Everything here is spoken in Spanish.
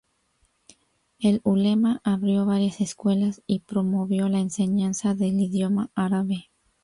El Ulema abrió varias escuelas y promovió la enseñanza del idioma árabe.